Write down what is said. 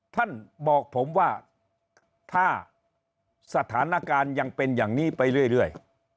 ท่านบอกผมว่าถ้าสถานการณ์ยังเป็นอย่างนี้ไปเรื่อย